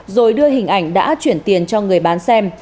rồi đưa hình ảnh đã chuyển tiền cho người bán xem